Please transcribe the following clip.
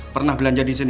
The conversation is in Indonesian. pernah belanja disini